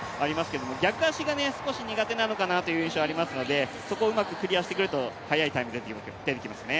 逆足が少し苦手なのかなという印象ありますのでそこをうまくクリアしてくると速いタイムが出てきますね。